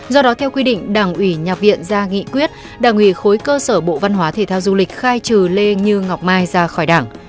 do đó theo quy định đảng ủy nhà viện ra nghị quyết đảng ủy khối cơ sở bộ văn hóa thể thao du lịch khai trừ lê như ngọc mai ra khỏi đảng